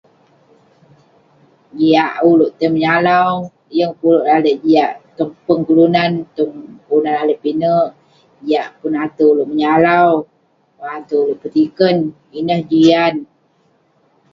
Jiak ulouk tai menyalau. Yeng peh ulouk lalek jiak tong peng kelunan, tong kelunan lalek pinek. Jiak pun ate ulouk menyalau, pun ate ulouk petiken. Ineh jian.